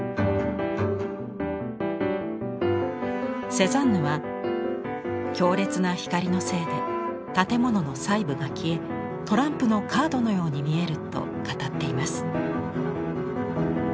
セザンヌは強烈な光のせいで建物の細部が消えトランプのカードのように見えると語っています。